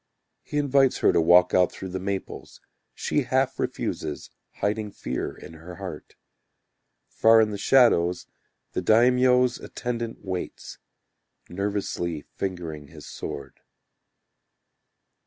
He invites her to walk out through the maples, She half refuses, hiding fear in her heart. Far in the shadow The daimyo's attendant waits, Nervously fingering his sword.